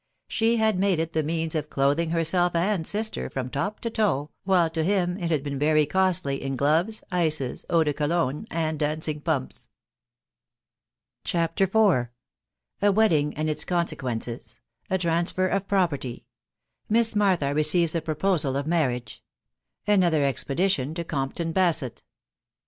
She bad made it die means of clothing herself and sister from top to toe, while to him it had been very costly in gloves, ices, eau de Cologne and dancing pumps. CHAPTER IV. A WXDDINO, AXD ITS CONSEQUENCE*. — A S&AlfSFXBt ©T IROMtBTT.— MISS MARTHA BBCEIVKS A PROPOSAL OS XAJUUAfiJL. — AttOTHXa XX* PXDITION TO COMPTON BASKET.